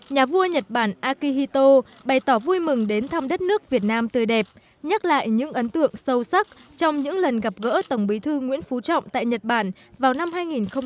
nhà vua nhật bản akihito bày tỏ vui mừng đến thăm đất nước việt nam tươi đẹp nhắc lại những ấn tượng sâu sắc trong những lần gặp gỡ tổng bí thư nguyễn phú trọng tại nhật bản vào năm hai nghìn tám và năm hai nghìn một mươi năm